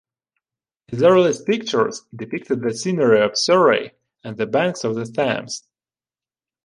His earliest pictures depicted the scenery of Surrey and the banks of the Thames.